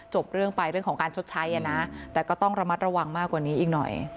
จบเรื่องไปเรื่องของการชดใช้นะแต่ก็ต้องระมัดระวังมากกว่านี้อีกหน่อย